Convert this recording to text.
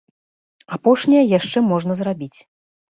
Апошняе яшчэ можна зрабіць.